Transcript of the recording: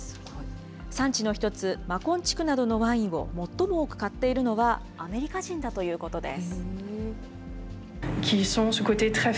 産地の一つ、マコン地区などのワインを最も多く買っているのはアメリカ人だということです。